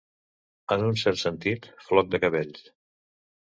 En un cert sentit, floc de cabells.